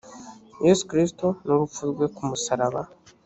yesu kristo n’urupfu rwe ku musaraba